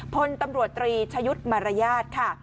พลตำรวจตรีชยุดมรญญาตค่ะ